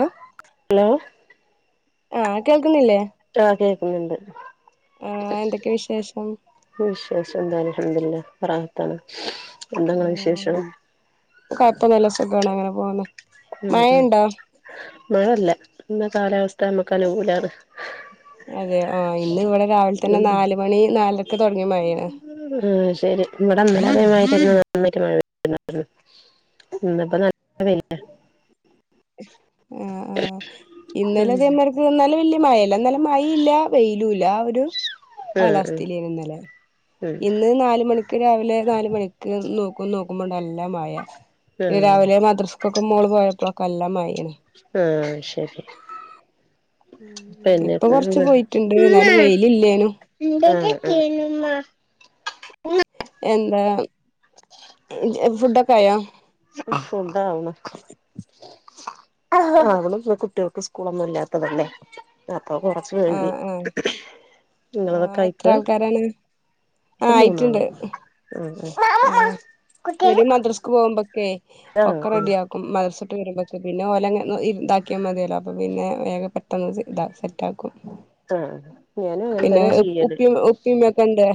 അഹ് ലോ ആഹ് കേൾക്കുന്നില്ലേ ആഹ് കേക്കുന്ന്ണ്ട് ആഹ് എന്തൊക്കെ വിശേഷം വിശേഷം എന്താ അൽഹംദുലില്ല ഒക്കെ റാഹത്താണ് എന്താങ്ങളെ ഉം വിശേഷം കൊഴപ്പൊന്നുല്ല സുഖാണ് അങ്ങനെ പോകുന്നു ഉം ഉം മഴയുണ്ടോ മഴല്ല ഇന്ന് കാലാവസ്ഥ നമ്മക്ക് അനുകൂലാണ് അതെയൊ ആഹ് ഇന്ന് ഇവിടെ രാവിലെ തന്നെ ഉം നാല് മണി നാലരക്കെ തുടങ്ങിയ മഴയാണ് ആഹ് ശരി ഇവിടെന്നലെ അതേമാതിരി നന്നായിട്ട് മഴണ്ടായിരുന്നു ഇന്നിപ്പോ നല്ല വെയില ആഹ് ആഹ് ഇന്നലെ അതേമാതി- ന്ന ലിം വല്യ മഴല്ല ഇന്നലെ മഴില്ല വെയിലുംല്ല ആ ഒരു ഉം കാലാവസ്ഥയിലെനിന്നലെ ആ ഇന്ന് നാല് മണി- ക്ക് രാവിലെ നാലുമണിക്ക് നോക്ക നോക്കുമ്പോണ്ട് നല്ല മയ ആ ഇന്ന് ഉം രാവിലെ മദ്രസ്ക് ഒക്കേ മോള് പോയപ്പോളൊക്കെ നല്ല മയെണ് ആഹ് ശരി ഇപ്പൊ കൊറച്ച് പിന്നെപ്പന്ത് പോയിട്ടുണ്ട് എന്നാലും വെയിലില്ലേനും ആഹ് ആഹ് എന്താ ഫുഡൊക്കെ ആയോ ഫുഡ്‌ ആവ്ണ് ആവ്ന്നോള്ളൂ കുട്ട്യാൾക്ക് സ്കൂളൊന്നും ഇല്ലാത്തതല്ലേ അപ്പൊ കൊറച്ച് വൈകി ആഹ് ആഹ് ആഹ് നിങ്ങളതൊക്കെ എത്ര ആയിക്ക ആൾക്കാരാണ് ആഹ് ഇക്ക് ആയിട്ടുണ്ട് മൂന്നാള് [unintelligible] ക്ക് പോകുമ്പൊക്കെ ആഹ് ഒക്കെ ഉം റെഡിയ ആക്കും മദ്രസ്‌ട്ട് വരുമ്പോക്ക പിന്നെ ഓലെ ഇതാക്കിയാ മതിയല്ലോ അപ്പ പിന്നെ വേഗം പെട്ടെന്ന് ഇതാ സെ - ടാക്കു ആഹ് ഞാനും അങ്ങനെ പിന്നെ തന്നെ ചെയ്യല് ഉപ്പി ഉപ്പി ഉമ്മ ഒക്കെണ്ട്.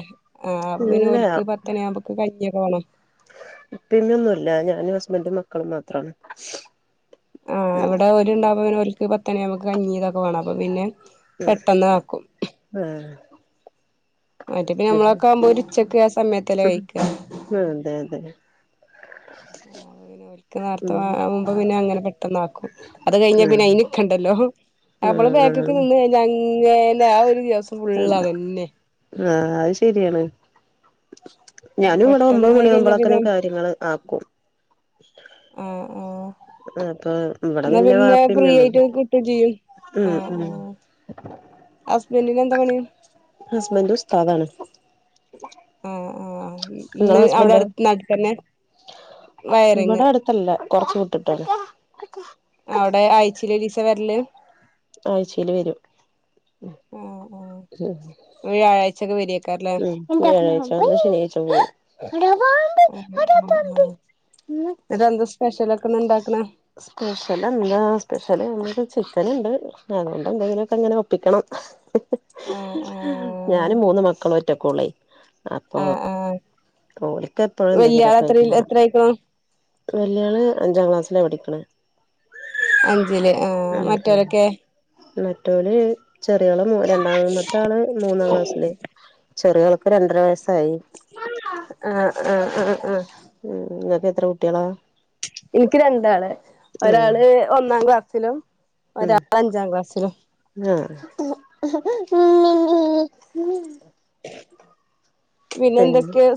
ആഹ് അ പിന്നെ ഇല്ല ഒല്ക്ക് പത്ത് മണി ആവുമ്പൊക്ക് കഞ്ഞി ഒക്കെ വാണം. ഉപ്പിം ഉമ്മിം ഒന്നും ഇല്ലഞാനും ഹസ്ബന്റും മക്കളും മാത്രാണ്. ആഹ് ഇവിടെ ഒരു ഇണ്ടാവെ ഓൽക്ക് പത്തുമണി ആവുമ്പക്ക് കഞ്ഞി ഇതൊക്കെ വാണം അപ്പൊ പിന്നെ പെട്ടന്ന് ആക്കും ആഹ് മറ്റേപ്പ നമ്മളൊക്കെ ആവുമ്പോ ഒരു ഉച്ചൊക്കെ ആ സമയത്തല്ലേ കഴിക്ക്യ. ആ അതെ അതെ പിന്നെ ഒല്ക്ക നേർത്ത ഉം ആവുമ്പോ പിന്നെ അങ്ങനെ പെട്ടന്നാക്കും അത് കഴിഞ്ഞ ആഹ് പിന്നെ അതിന്. ക്കണ്ടല്ലോ ഞമ്മള് ആഹ് ബേക്കിക്ക് ആഹ് നിന്ന് കഴിഞ്ഞാ ഇങ്ങനെ ആ ഒരു ദിവസം ഫുള്ളാ അതെ അ തന്നെ. ആഹ് അത് ശരിയാണ്. ഞാനും ഇവിടെ ഒമ്പത് പെട്ടെന്നായി കഴിഞ്ഞാ പിന്നെ മണിയാകുമ്പോളക്കനും കാര്യങ്ങൾ ആക്കും. ആഹ് പആഹ് അപ്പൊ ഇവിടെ പിന്നെ ഫ്രീ ആയിട്ട് വാപ്പിംഉമ്മഒന്നുംല്ല കിട്ടും ചെയ്യും ഉ ഉ. [inaudible] ഹസ്ബന്റിനെന്താ പണി ഹസ്ബൻ്റെ ഉസ്ദാണ്. ആഹ് ആഹ് ഇങ്ങളെ ഇന്ന് അവിടെ ഹസ്ബൻഡോ അടു നാട്ട തന്നെ വയറിങ്ങ്. അല്ല കുറച്ച് വിട്ടിട്ടാണ് അവിടെ ആയിച്ചേല് ഒരിസാ ഞോവരല് ആഴ്ചയില് വരും. ആഹ് ആഹ് [unintelligible] വ്യാഴായ്ചക്കെ വരിയാക്കാരല്ലോ. വ്യാഴാഴ്ച വന്ന് ശനിയാഴ്ച പോകും [unintelligible] ഉ സ്പെഷലക്കെന്ന ണ്ടാക്കണേ സ്പെഷല് എന്താ സ്പെഷല് ചിക്കൻണ്ട് അതുകൊണ്ട് എന്തെങ്കിലുംക്കെ അങ്ങനെ ഒപ്പിക്കണം. ആഹ് ഞാനും ആഹ് മൂന്ന് മക്കളും ഒറ്റക്കോളേ അപ്പോ ആഹ് ആഹ് ഓൽക്കെപ്പഴും വല്യാള് എന്തെങ്കിലുക്കെ ആയിട്ട് എത്രയിൽ വേണം. എത്രയിക്ക്ണു വല്യള് അഞ്ചാം ക്ലാസ്സിലാ പഠിക്കണേ അഞ്ചില് ആഹ് ഉം ഉം മറ്റവരൊക്കെ? മറ്റോല് ചെറിയാളും രണ്ടാമത്തെ ആള് മൂന്നാം ക്ലാസ്സില് ചെറിയോൽക്ക് രണ്ടര വയസ്സായി ആഹ് ആഹ് ആഹ് ആഹ് ഉം നിങ്ങക്ക് എത്ര കുട്ടികളാ എനിക്ക് രണ്ടാള് ഉം ഒരാള് ഒന്നാം ക്ലാസിലും ഒരാ അഞ്ചാം ക്ലാസ്സിലും. ആഹ്‌ പിന്നെ പിന്നെന്തൊക്കെയാ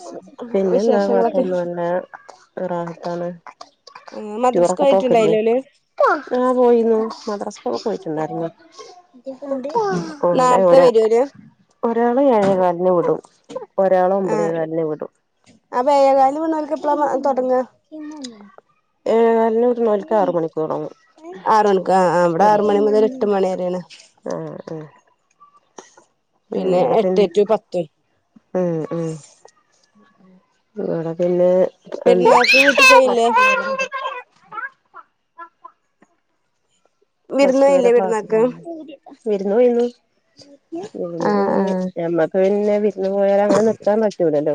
പിന്നെന്താ വിശേഷങ്ങളൊക്കെ? [unintelligible] റാഹത്താണ് ആഹ് ടൂറൊക്കെ പോക്കില്ലേ മദ്രസ്കയിട്ടുണ്ടായിലോല് ആഹ് പോയിന്നു മദ്രാസക്കെ പോയിട്ടുണ്ടാരുന്നു [unintelligible] നേർത്തെ ഒരാ വരും ഓല് ഒരാളെ ഏഴേ കാലിന് വിടും ഒരാള ഒമ്പതേ കാലിന് വിടും. അപ്പ ഏഴെ കാലിന് പോണോല്ക്ക് എപ്പളാ തൊടങ്ങാ? ഏഴേകാലിന് വിടുന്നോൽക്ക് ആറ് മണിക്ക് തൊടങ്ങും ആറ്മണിക്ക് ആഹ്‌ ആഹ്‌ ഇവടെ ആറ് മണി മുതല് എട്ട് മണി വരെണ് ആഹ് ആഹ്‌ പിന്നെ ആഹ് എട്ട് പിന്ന് ടു പത്ത് ഉം ഉം [inaudible] ഇവട പിന്നെ എ പെരുന്നാക്ക് വീട്ട്ക്ക് പോയില്ലേ പ്ലസ് വിരുന്ന് പോയില്ലേ റ്റുവരെ ക്ലാസ് പെരുന്നാക്ക് ഉണ്ടാ [inaudible] വെര്ന്നു വെര്ന്നു ആഹ് ആഹ് [unintelligible] ഞമ്മക്ക് പിന്നെ വിരുന്ന് പോയാല് അങ്ങനെ നിക്കാ പറ്റൂലല്ലോ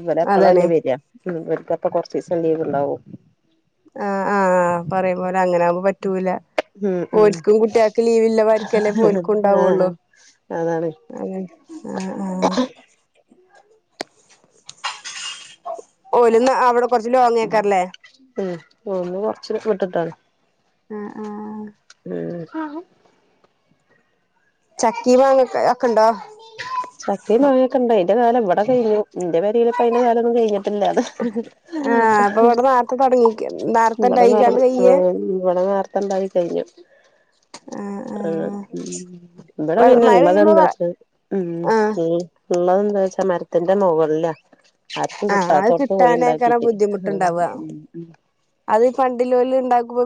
ഇവടെ അതാണ് അപ്പളല്ലേ വാര്യ ഇവർക്കപ്പ കൊറച്ചീസം ലീവ്ണ്ടാവും ആഹ് ആഹ് പറയും പോലെ അങ്ങനാമ്പോ പറ്റൂല ഉം ഓരിക്കും ഉം കുട്ടികക്ക് ലീവില്ലവർക്കല്ലേ ഓൽക്കു ആഹ് ഉണ്ടാവോള്ളു അതാണ് അങ്ങ് ആഹ് ആഹ് ഓല്ന്നാ അവട കൊറച്ച് ലോങ്ങെക്കാറ്ലെ ഉം ഒന്ന് കൊറച്ച് മുറ്റത്താണ് ആഹ് ആഹ് ഏഹ് ചക്കിം മാങ്ങെക്ക അക്കണ്ടോ ചക്കെ മാങ്ങെക്കണ്ടെ അയ്ന്റ കാലം ഇവട കയിഞ്ഞു ഇന്റ പെരെലെക്കെ അയിന്റ കാലൊന്നും കയിഞ്ഞിട്ടില്ല അത് ആഹ് അപ്പോ ഇവട നേർത്ത തോടങ്ങി ഇവട [unintelligible] ഇവട നേർത്തണ്ടായി കയിഞ്ഞു ആഹ് ഉം ഇവടെ ആഹ് മഴ പിന്നെള്ളത് പെയ്യുമ്പോ എന്താച്ച ഉം ആഹ് ഏഹ് ള്ളതെന്താ വെച്ചാ മരത്തിന്റെ മോകളിലാ ആർക്കും ആഹ് അത് കിട്ടാത്തോടത്ത് കിട്ടാനേക്കാരം പോയിണ്ടാക്കീട്ട് ബുദ്ധിമുട്ടുണ്ടാവുക അത് ഈ പണ്ട്ല്ലോല് ഇണ്ടാക്കുമ്പോ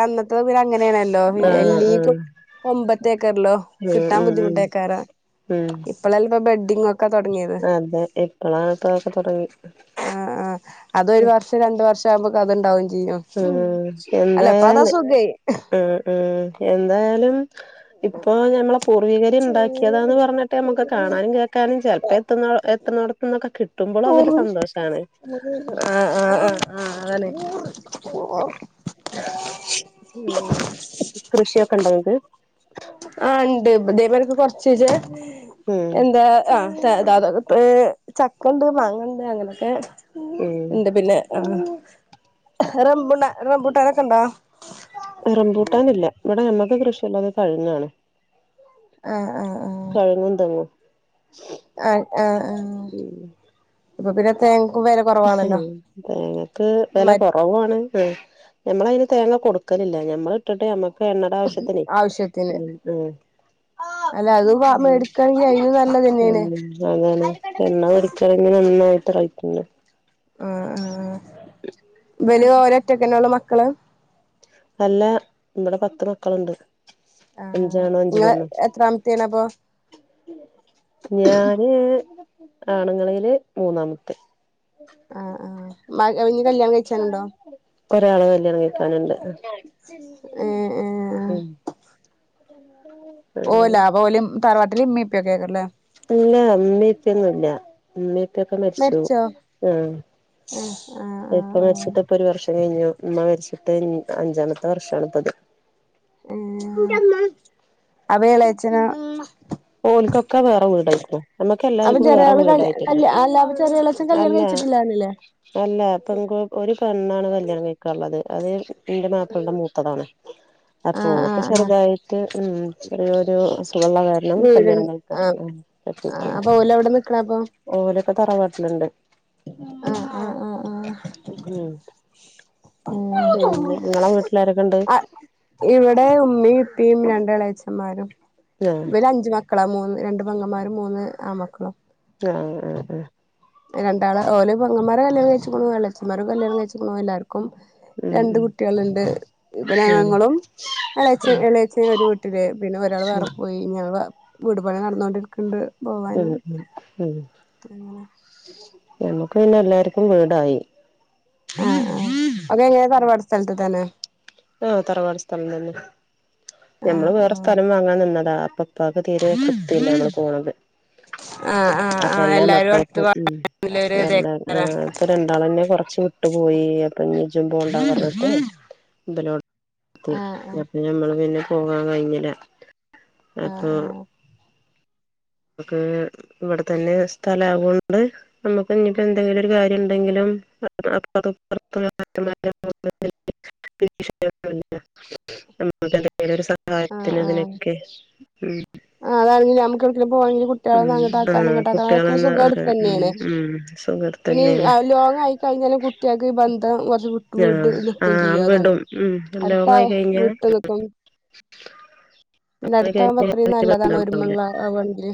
അന്നത്തത് പിന്ന അങ്ങനെയാണല്ലോ ആഹ് ആഹ് എല്ലീതും കൊമ്പത്തേക്കെറ്ലോ ഉം ഉം ഉം ഇപ്പളാൽപ്പ ബെഡിങ്ങോക്കെ തൊടങ്ങിത് അതെ ഇപ്പളാണ് ഇപ്പോ അതൊക്കെ തൊടങ്ങി ആഹ് ആഹ് അതൊരു വർഷം രണ്ട് വർഷം ആവുമ്പോക്ക അതൊണ്ടാവും ചെയ്യും ഉം അല്ല ഇപ്പ അതാ എന്തായാല് സുഖേ ആഹ് ഉം എന്തായാലും ഇപ്പൊ ഞമ്മള പൂർവീകര് ഇണ്ടാക്കിയതാന്ന് പറഞ്ഞെട്ട് നമുക്ക് കാണാനും കേക്കാനും ചെലപ്പോ എത്ത്ന്നോ എത്തുന്നോട ത്ത്ന്നൊക്കെ കിട്ടുമ്പള് അതൊര് സന്തോഷാണ് ആഹ് ആ ആഹ് അതല്ലെ ഉം കൃഷിയൊക്കണ്ടോ നിങ്ങ്ക്ക് ആഹ് ഇണ്ട് ഇതെപോലക്കെക്കെ കൊറച്ചീച്ചെ ഉം എന്താ ആ താതകത്തെ ചക്കുണ്ട് മാങ്ങുണ്ട് അങ്ങനൊക്കെ ഉം ഇണ്ട് പിന്നെ ആഹ് റംബുട്ട റംബുട്ടാനൊക്ക ഒണ്ടോ റംമ്പൂട്ടാനില്ല ഇവട ഞമ്മക്ക് കൃഷിയുള്ളത് അത് കഴ്ങ്ങാണ് ആഹ് ആഹ് ആഹ് കഴ്ങ്ങും തെങ്ങും അ ആഹ് ആഹ് ഉം ഇപ്പ പിന്നെ തേങ്ങക്കും വെല ഉം കൊറവാണല്ലോ തേങ്ങക്ക് വെല മറ്റ് കൊറവാണ് ഞമ്മള അയിന് തേങ്ങ കൊടുക്കലില്ല ഞമ്മള് ഇട്ടിട്ട് ഞമ്മ ക്ക് എണ്ണട ആവശ്യത്തിനെ ആവശ്യത്തിന് ഉം ഉം അല്ല അത് ഉ മേടിക്കയാണെങ്കിൽ അതിനും നല്ലത് തന്നെയാണ് ഉം അതാണ് എണ്ണ വെടിക്കണെങ്കി നന്നായിട്ട് റെയ്റ്റ്ണ്ട് ആഹ് ആഹ് ഇബല് ഓരൊറ്റക്കനൊള്ളു മക്കള് അല്ല ഇവട പത്ത് മക്കളോണ്ട് ആഹ് അഞ്ചാണ് അഞ്ച് നിങ്ങള് പെണ്ണ് എത്രാമത്തെയാണ് അപ്പൊ ഞാന് ആണുങ്ങളെല് മൂന്നാമത്തെ ആഹ് ആഹ് മക [unintelligible] ഇനി കല്യാണം കഴിച്ചാനുണ്ടോ ഒരാള് കല്യാണം കയ്ക്കാന് ഉണ്ട് ഏ ഏ അങ്ങനെ ഓല അപ്പൊ ഓലും തറവാട്ടില് ഇമ്മിം ഇപ്പിം ഒക്കെ അയ്ക്കാരം ലെ ഇല്ല ഇമ്മിം ഇപ്പിം ഒന്നുല്ല ഇമ്മിം ഇപ്പം ഒക്കെ മരിച്ചു ആ അഹ ആഹ ഇപ്പ മരിച്ചിട്ട് ഇപ്പൊ ഒരു വർഷം കഴിഞ്ഞു ഇമ്മ മരിച്ചിട്ട് അഞ്ചാമത്തെ വർഷാണ് ഇപ്പം ഇത് ഏഹ് ഇൻ്റെ ഇമ്മ അപ്പൊ എളയച്ചനോ ഓലിക്കൊക്കെ വേറെ വീടായിക്ണു ഞങ്ങക്ക് അപ്പൊ എല്ലാർക്കും ചെറിയ വേറെ ആള് കല് വീടായിട്ടിണ്ട് കല് അല്ല അപ്പൊ ചെറിയാളച്ചൻ കല്യാണം അല്ല കഴിച്ചിട്ടില്ലാന്നില്ലേ അല്ല പങ്കു ഒരു പെണ്ണാണ് കല്യാണം കയ്ക്കാള്ളത് അത് ഇന്റെ മാപ്ലൻ്റെ മൂത്തതാണ് അപ്പം ആഹ് ഓക്ക് ആഹ് ആഹ് ചെറുതായിട്ട് ഉം ചെറിയൊരു അസുഖള്ള കാരണം വീട് കല്യാണം ആഹ് ആഹ് കയിക്കാൻപറ്റിയിട്ടില്ല അപ്പൊ ഓല് എവിടെ നിക്കണ അപ്പൊ ഓലൊക്കെ തറവാട്ടിലുണ്ട് അഹ അഹ അഹ ആഹ് ഉം ഏ പിന്നെ നിങ്ങളെ വീട്ടിലാരൊക്കെ ഉണ്ട് അഹ് ഇവിടെ ഉമ്മയും ഇപ്പയും രണ്ട് എളേച്ചന്മാരും ആഹ് ഇവര് അഞ്ച് മക്കൾ മക്കളാ മൂന്ന് രണ്ട് പങ്ങന്മാരും മൂന്ന് ആണ് മക്കളും ആഹ ആ ആ രണ്ടാള് ഓല് പെങ്ങമ്മാരെ കല്യാണം കയ്ച്ചക്കണു എളഛന്മാരെ കല്യാണം കയ്ച്ചക്കണു എല്ലാർക്കും ഉം രണ്ട് കുട്ടികള് ഇണ്ട് പിന്നെ ഉം ഉം ഞങ്ങളും എളേച്ച എളേയച്ചൻ ഒരു വീട്ടില് പിന്നെ ഒരാള് വേറെ പോ പോയി ഞങ്ങളെ വീട്പണി നടന്നോണ്ടിരിക്കണ് ഇണ്ട് പോവാന് ഉം [unintelligible] ഞ്ഞങ്ങക്ക് പിന്നെ എല്ലാർക്കും വീടായി ആ ആ അത് എങ്ങനെയ തറവാട്ട് സ്ഥലത്ത് തന്നെ ആഹ തറവാട് സ്ഥലം തന്നെ ഞമ്മള് ആഹ് വേറെ ആഹ് സ്ഥലം വാങ്ങാൻ നിന്നതാ അപ്പം ഇപ്പാക്ക് തീരെ തൃപ്തി ഇല്ല ഞമ്മള് പോണത് ആഹ് ആഹ് അപ്പ ആഹ് എല്ലാ എല്ലാരും മക്കൾക്കും ഉം അടുത്ത് ഒരു എല്ലാരും ഇതേക്കാരം ആഹ് ഇപ്പൊ രണ്ടാളന്നെ കൊറച്ച് വിട്ടു പോയി അപ്പൊ ഇഞ്ഞ് ഇജും പോണ്ട പറഞ്ഞിട്ട് ഇബല് [unintelligible] ആഹ് ആഹ് അപ്പം ഞമ്മള് പിന്നെ പോകാൻ കയ്ഞ്ഞില ആഹ് അപ്പോ ആഹ് ഒക്കേ ഇവിടെ തന്നെ സ്ഥലം അതോണ്ട് നമ്മക്ക് ഇഞ്ഞ് ഇപ്പം എന്തെങ്കിലും ഒരു കാര്യം ഉണ്ടെങ്കിലും അപ്പൊറത്തും ഇപ്പൊറത്തും നാത്തൂമാര് അതും ഇണ്ട് [inaudible] വിളിച്ചാ കേക്ക്ണോട്ത്ത് നമ്മുക്ക് എന്തെങ്കിലും ഒരു ആഹ് സഹായത്തിനും ആഹ് ഇതിനും ഒക്കെ ഉം ആഹ് അതാണ് ഞമ്മക്ക് എവടക്കേലും പോണങ്കില് കുട്ടികളെ ഉം ഒന്ന് അങ്ങട്ടാക്കാനും ആഹ് ഇങ്ങട്ടാക്കാനും അതക്കെ കുട്ടികളെന്നാ സുഖം ഉം അടുത്തന്നെണ് ഉം സുഖം പിന്നെ ഈ തന്നെയാണ് ലോങ് ആയി കയിഞ്ഞാലും കുട്ടികൾക്ക് ഈ ബന്ധം കുറച്ച് വിട്ട് വിട്ട് ആഹ് നിക്കും ആഹ് ചെയ്യും അതാണ് വിടും ഉം ലോങ്ങായി അട്ത്താവും കഴിഞ്ഞാ വീട്ട് നിക്കും പിന്നെ അടുത്താവകുമ്പോ അത്രയും നല്ലതാണ് ണ്ടാവൂല ഒരുമുള്ള ആവാണെങ്കില്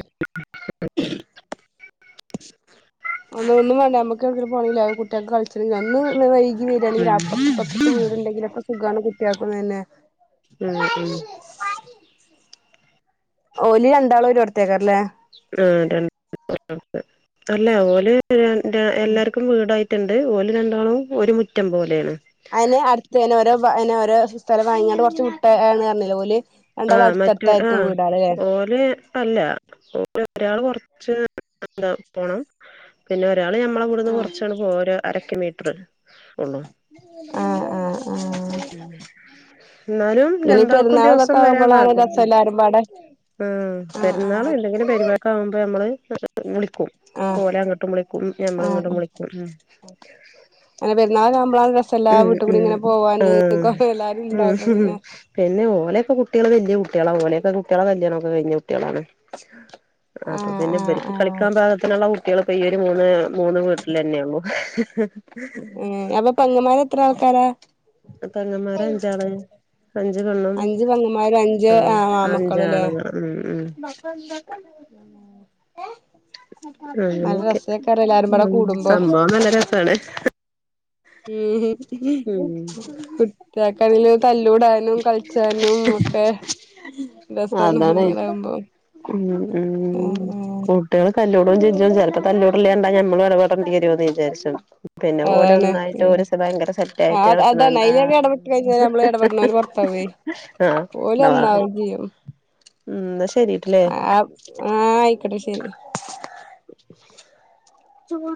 ഒന്നും ഒന്നും വേണ്ട നമ്മക്ക് എവടെക്കെങ്കിലും പോണങ്കില് അത് കുട്ട്യാക്ക് കൾച്ചണെങ്കി അന്ന് വൈകി വരാണെങ്കില് ഉം അപ്പറത്തും ഇപ്പറത്തും ഒക്കെ വീടുണ്ടെങ്കിൽ ഒക്കെ സുഖാണ് കുട്ടേക്കും തന്നെ ഉം ഉം ഓല് രണ്ടാളും ഒരോട്ത്ത് അയ്കാരം ലേ ആ [unintelligible] അല്ല ഓല് എല്ലാർക്കും വീടായി ട്ട്ണ്ട് ഓല് രണ്ടാളും ഒരു മുറ്റം പോലെയാണ് അയിന് അടുത്ത് തന്നെ ഓരോ വാ പിന്നെ ഒരോ സ്ഥലം വാങ്ങി അവടെ കൊറച്ച് വിട്ടാണ് എന്ന് പറഞ്ഞിലെ ഓല് രണ്ടാളും അടുത്തടുത്തായിരിക്കും വീടാ ള് ലെ നന്നേ അടുത്ത് അല്ല ഒരാള് കൊറച്ച് എന്താ പോണം പിന്നെ ഒരാള് ഞമ്മളെ ഇവിടുന്ന് ആഹ് കുറച്ചാണ്ട് പോരാ ഒരു അരക്ക മീറ്ററ് ആഹ് ആഹ് ആഹ് ആ എന്നാലും രണ്ടാൾക്കും ഇതൊക്കെ ദിവസം വരാൻ ആവുമ്പോളാണ് പാഗും രസം മം എല്ലാരും പാടെ പേ പെരുന്നാളും ആഹ് എന്തെങ്കിലും പരുവാടിക്ക ആവുമ്പോ നമ്മള് വിളി പോലെ അങ്ങോട്ടും വിളിക്കും ഞമ്മളങ്ങോട്ടും വിളിക്കും ഉം അങ്ങെ പെരുന്നാൾ കാ ആമ്പോ ആഹ് രസംല്ലാം ഉം ഉം വീട്ട കൂടി ഉം ഇങ്ങനെ പോവാന് ആഹ് കുറവ എല്ലാരും ഉണ്ടാവും പിന്നെ ഉം പിന്നെ ഓലൊക്കെ കുട്ടികള് വലിയ കുട്ടികളാണ് ഓലെയൊക്കെ കുട്ടികളെ കല്യണം ഒക്കെ കഴിഞ്ഞ കുട്ടികളാണ് അപ്പൊ ആഹ് പിന്നെ ആഹ് ഇബൽക്ക് ആഹ് കളിക്കാൻ ഭാഗത്തിനുള്ള കുട്ടികളപ്പോ ഈ ഒരു മൂന്ന് മൂന്ന് വീട്ടിൽ തന്നെള്ളു ഉം അപ്പൊ പെങ്ങമാര് എത്ര ആൾക്കാരാ പെങ്ങമാര് അഞ്ചള് അഞ്ചു പെണ്ണും അഞ്ച് പെങ്ങന്മാരും അഞ്ച് ആഹ് അഞ്ചു ആമക്കളും ല്ലേ ആണുങ്ങള ഉം ഉം ഏഹ് അങ്ങനെയൊക്കെ പാടെ ഉം കൂടുമ്പോ സംഭവം നല്ല രസാണെ ഉം ഉം മം കുട്ടിയക്ക തല്ലൂടാനും കളിച്ചാനും ഒക്കെ രസാണ് അതാണ് അങ്ങനാവുമ്പോ ഉം ആഹ് ഉം ആഹ് കുട്ടികൾ കല്ലൂടവും ചജും ചിലപ്പോ കല്ലൂടല് കണ്ടാൽ ഞമ്മളും ഇടപടേണ്ടി വരുമന്ന് വിചാരിച്ചത പിന്നെ പോലെ ഒന്നായിട്ട് ഒരുന് ഭയങ്കര സെ ആഹ് അതാ അതാണ് അതില് ഇടപെട്ട് കഴിഞ്ഞാൽ നമ്മള് ഇടപെടുനൊരു പുറത്താവേ ആഹ് ഓര് ഒന്നാകും [unintelligible] ഉം എന്നാശരിട്ടില്ലേ ആഹ് ആഹ് ആയിക്കട്ടെ ശരി ചുവ